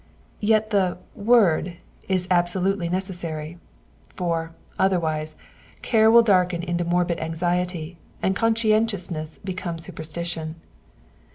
Yet the word '* is absolutely necessary ; for, otherwise, care will darken into morbid anxiety, and conscientiousness may become superstition.